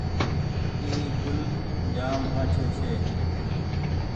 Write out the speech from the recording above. اي گوُل جآم آڇوٚنٚ ڇي